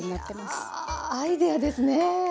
いやアイデアですね！